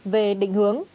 về định hướng